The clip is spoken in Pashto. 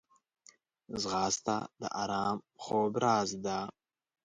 ځغاسته د ارام خوب راز ده